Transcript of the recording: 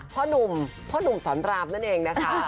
หนุ่มพ่อหนุ่มสอนรามนั่นเองนะคะ